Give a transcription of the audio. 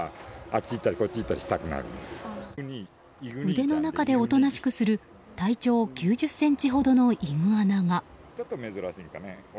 腕の中でおとなしくする体長９０ｃｍほどのイグアナが。